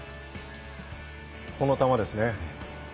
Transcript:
この球ですね。